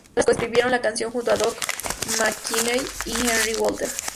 Los artistas co-escribieron la canción junto a Doc McKinney y Henry Walter.